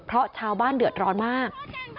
เพราะชาวบ้านเดือดร้อนมาก